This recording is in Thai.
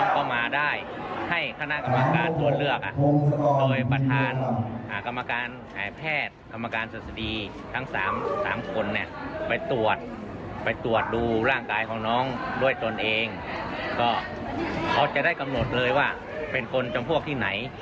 กำหนดเลยว่าเป็นคนจำพวกที่ไหน